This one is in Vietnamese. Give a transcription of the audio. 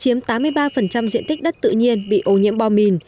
chiếm tám mươi ba diện tích đất tự nhiên bị ô nhiễm bom mìn